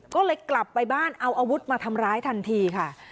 ก็เลยกลับไปบ้านเอาอาวุธมาทำร้ายทันทีค่ะ